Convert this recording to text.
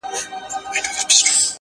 د جان نریو گوتو کښلي کرښي اخلمه زه!!